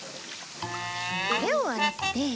手を洗って。